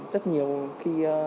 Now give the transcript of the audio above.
rất nhiều khi